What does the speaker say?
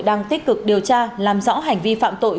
đang tích cực điều tra làm rõ hành vi phạm tội